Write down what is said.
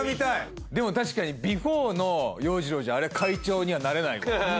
でも確かにビフォーの洋次郎じゃあれは会長にはなれないわ。